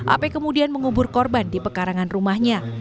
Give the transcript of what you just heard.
ap kemudian mengubur korban di pekarangan rumahnya